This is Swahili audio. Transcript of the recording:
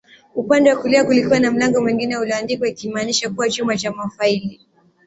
Upande wa kulia kulikuwa na mlango mwingine ulioandikwa ikimaanisha kuwa chumba cha mafaili